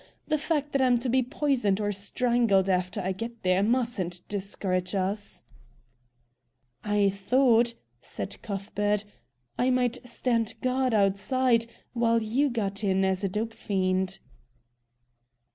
The fact that I'm to be poisoned or strangled after I get there mustn't discourage us.'" "I thought," said Cuthbert, "I might stand guard outside, while you got in as a dope fiend."